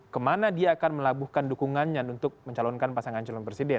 kemana dia akan melabuhkan dukungannya untuk mencalonkan pasangan calon presiden